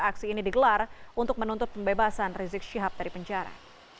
aksi ini digelar untuk menuntut pembebasan rizik syihab dari penjara